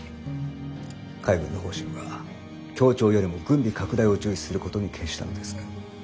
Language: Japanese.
海軍の方針は協調よりも軍備拡大を重視することに決したのです。